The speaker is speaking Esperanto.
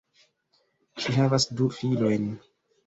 Ŝi havas du filojn.